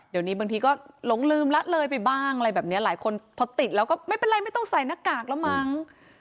เดี๋ยวนี้บางทีก็หลงลืมละเลยไปบ้างอะไรแบบนี้หลายคนพอติดแล้วก็ไม่เป็นไรไม่ต้องใส่หน้ากากแล้วมั้ง